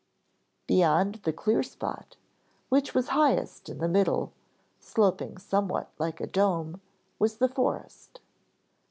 Beyond the clear spot, which was highest in the middle, sloping somewhat like a dome, was the forest.